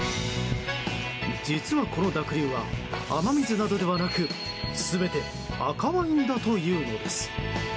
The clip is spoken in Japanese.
実は、この濁流は雨水などではなく全て赤ワインだというのです。